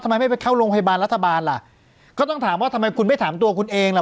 ทำไมไม่ไปเข้าโรงพยาบาลรัฐบาลล่ะก็ต้องถามว่าทำไมคุณไม่ถามตัวคุณเองล่ะ